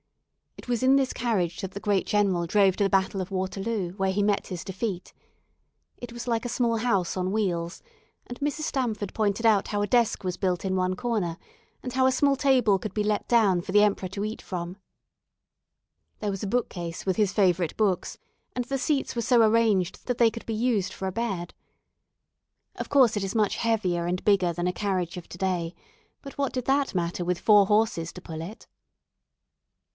It was in this carriage that the great general drove to the Battle of Waterloo, where he met his defeat. It was like a small house on wheels, and Mrs. Stamford pointed out how a desk was built in one corner and how a small table could be let down for the emperor to eat from. There was a bookcase with his favourite books, and the seats were so arranged that they could be used for a bed. Of course it is much heavier and bigger than a carriage of to day, but what did that matter with four horses to pull it?